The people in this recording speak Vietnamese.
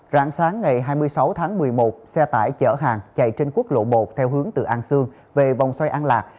rạng sáng ngày hai mươi sáu tháng một mươi một xe tải chở hàng chạy trên quốc lộ một theo hướng từ an sương về vòng xoay an lạc